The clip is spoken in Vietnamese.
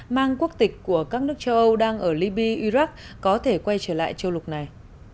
mang quốc tịch của các nước châu âu đang ở liby iraq có thể quay trở lại châu lục này